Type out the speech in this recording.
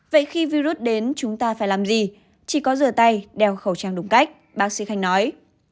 vậy khi virus đến chúng ta phải làm gì chỉ có rửa tay đeo khẩu trang đúng cách bác sĩ khanh nói